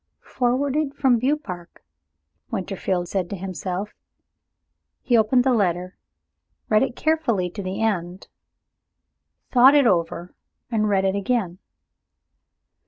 "Forwarded from Beaupark," Winterfield said to himself. He opened the letter read it carefully to the end thought over it and read it again.